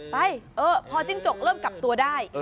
ไปพอจิ้งจกเริ่มกลับตัวได้